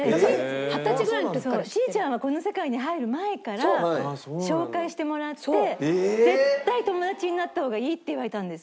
ちーちゃんはこの世界に入る前から紹介してもらって「絶対友達になった方がいい」って言われたんです。